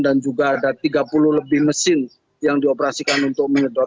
dan juga ada tiga puluh lebih mesin yang dioperasikan untuk menyedot